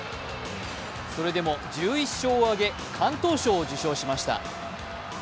それでも１１勝を挙げ、敢闘賞を受賞しました。